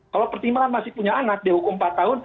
kalau pertimbangan masih punya anak dihukum empat tahun